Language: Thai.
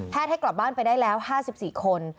ให้กลับบ้านไปได้แล้ว๕๔คน